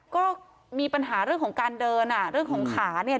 ก็มีปัญหาเรื่องของการเดินอ่ะเรื่องของขาเนี่ย